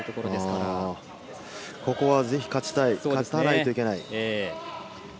ああ、ここはぜひとも勝ちたい、勝たなければいけない。